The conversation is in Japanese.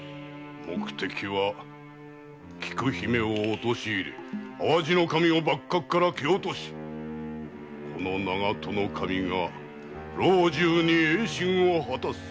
目的は菊姫を陥れ淡路守を幕閣から蹴落としこの長門守が老中に栄進を果たすにある。